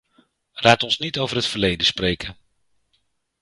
Laat ons niet over het verleden spreken.